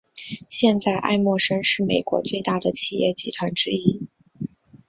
现在艾默生是美国最大的企业集团之一。